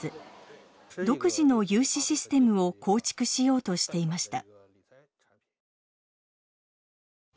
独自の融資システムを構築しようとしていました。